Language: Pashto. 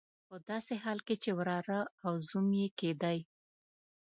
په داسې حال کې چې وراره او زوم یې کېدی.